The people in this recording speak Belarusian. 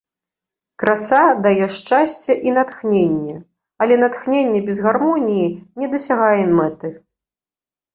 Краса дае шчасце і натхненне, але натхненне без гармоніі не дасягае мэты.